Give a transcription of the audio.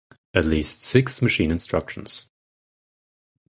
At least six machine instructions.